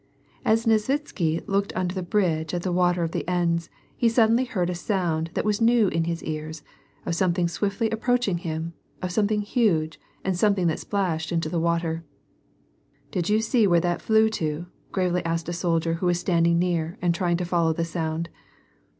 As !Nesvitsky looked under the bridge at the water of the Enns, he suddenly heard a sound that was new in his ears — of something swiftly approaching him, of something huge, and something that splashed into the water. " Did you see where that flew to ?" gravely asked a .soldier who was standing near and trying to follow the sound.